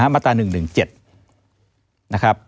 มัตตา๑๑๗